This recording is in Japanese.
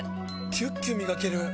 キュッキュ磨ける！